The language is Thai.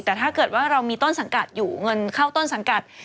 แต่ถ้าเกิดว่าเรามีต้นสังกัดอยู่เงินเข้าต้นสังกัด